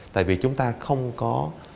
tại vì chúng ta không có